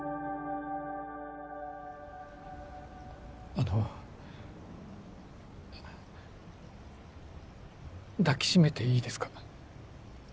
あの抱きしめていいですか？